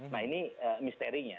nah ini misterinya